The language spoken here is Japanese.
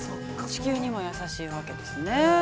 ◆地球にも優しいわけですね。